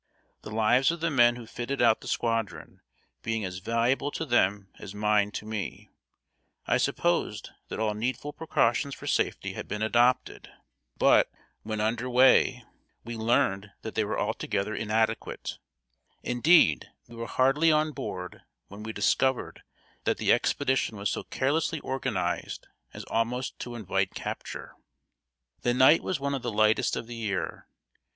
The lives of the men who fitted out the squadron being as valuable to them as mine to me, I supposed that all needful precautions for safety had been adopted. But, when under way, we learned that they were altogether inadequate. Indeed, we were hardly on board when we discovered that the expedition was so carelessly organized as almost to invite capture. The night was one of the lightest of the year.